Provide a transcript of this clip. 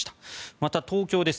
また、東京です。